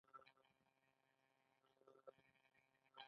علمي مفاهیم باید په عامه ژبه بیان شي.